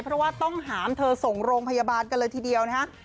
เพราะว่าต้องหามเธอส่งโรงพยาบาลกันเลยทีเดียวนะฮะ